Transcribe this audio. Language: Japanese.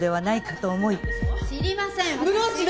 知りません私。